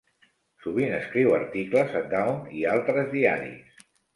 Sovint escriu articles a "Dawn" i altres diaris.